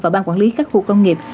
và ban quản lý các khu công nghiệp